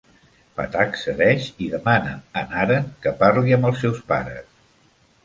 Pathak cedeix i demana a Naren que parli amb els seus pares.